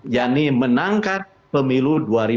yang menangkan pemilu dua ribu dua puluh empat